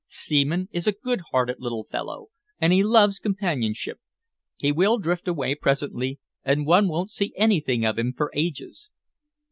"Seaman is a good hearted little fellow, and he loves companionship. He will drift away presently, and one won't see anything of him for ages."